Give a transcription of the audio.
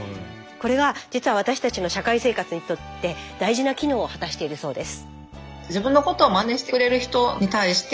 これは実は私たちの社会生活にとって大事な機能を果たしているそうです。